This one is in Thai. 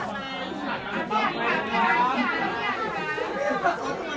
ขอบคุณครับ